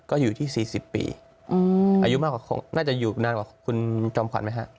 ก็อยู่ที่๔๐ปีอายุมากกว่าน่าจะอยู่นานกว่าคุณจอมขวัญไหมฮะ